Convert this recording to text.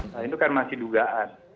nah itu kan masih dugaan